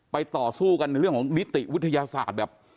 ต่อสู้กันในเรื่องของนิติวิทยาศาสตร์แบบ